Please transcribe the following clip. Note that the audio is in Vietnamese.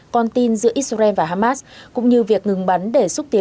con tin giữa israel và hamas cũng như việc ngừng bắn để xúc tiến